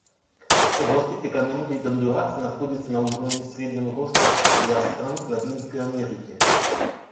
Рост экономики Гондураса находится на уровне среднего роста для стран Латинской Америки.